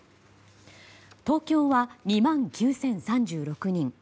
東京は２万９０３６人。